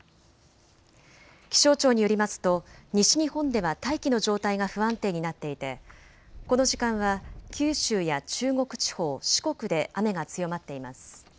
気象庁によりますと西日本では大気の状態が不安定になっていてこの時間は九州や中国地方、四国で雨が強まっています。